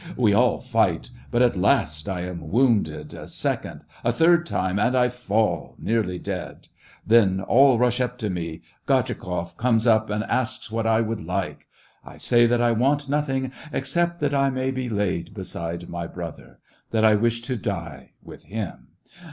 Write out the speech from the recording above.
We all fight ; but, at last, I am wounded a second, a third time, and I fall, nearly dead. Then, all rush up to me. Gortchakoff comes up and asks what I would like. I say that I want nothing — except that I may be laid beside my brother ; that I wish to die with him.